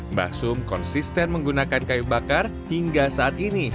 mbah sum juga berusaha menggunakan batik yang lebih bagus